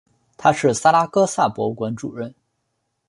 他是萨拉戈萨博物馆主任。